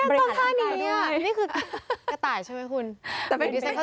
นี่ต้องท่านี้อ่ะนี่คือกระต่ายใช่ไหมคุณ